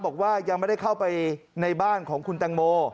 บอกว่ายังไม่ได้เข้าไปในบ้านของคุณแตงโม